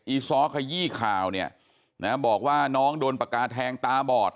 อซ้อขยี้ข่าวเนี่ยนะบอกว่าน้องโดนปากกาแทงตาบอด